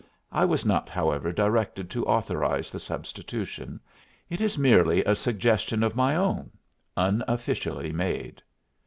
I was not, however, directed to authorize the substitution; it is merely a suggestion of my own, unofficially made."